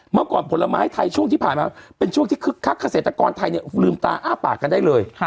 เมื่อก่อนผลไม้ไทยช่วงที่ผ่านมาเป็นช่วงที่คึกคักเกษตรกรไทยเนี่ยลืมตาอ้าปากกันได้เลย